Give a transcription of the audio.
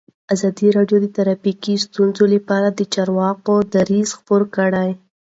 ازادي راډیو د ټرافیکي ستونزې لپاره د چارواکو دریځ خپور کړی.